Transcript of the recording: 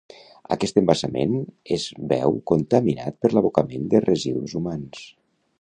Aquest embassament es veu contaminat per l'abocament de residus humans